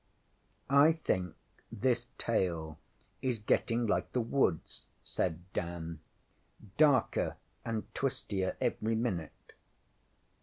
ŌĆÖ ŌĆśI think this tale is getting like the woods, ŌĆÖ said Dan, ŌĆśdarker and twistier every minute.